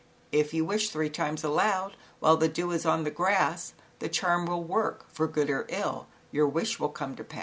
If you wish three times aloud, While the dew is on the grass, he charm will work, for good Your wish will come to pass.